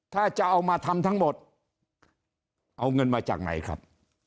ถ้าจะเอามาทำทั้งหมดเอาเงินมาจากไหนครับ